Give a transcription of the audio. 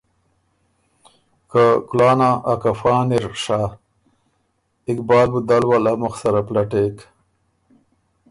که ” کُلانا ا کفان اِر ڒېری“ اقبال بُو دل ول ا مُخ سره پلټېک